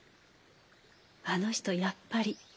あの人やっぱり。